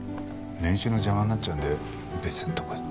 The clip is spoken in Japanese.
練習の邪魔になっちゃうんで別のとこ行って話しません？